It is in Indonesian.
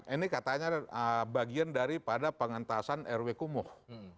ini katanya bagian dari pada pengentasan rw kumuh